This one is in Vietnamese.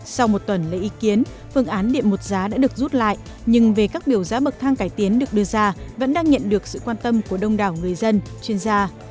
sau một tuần lấy ý kiến phương án điện một giá đã được rút lại nhưng về các biểu giá bậc thang cải tiến được đưa ra vẫn đang nhận được sự quan tâm của đông đảo người dân chuyên gia